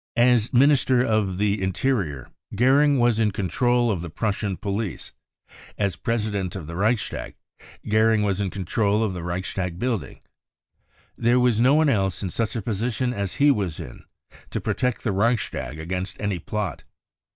As Minister of T fhe Interior, Goering was in control of the Prussian police. As president of the Reichstag, Goering was in control of the Reichstag building. There was no one else in such a position as he was in to protect the Reichstag against any plot.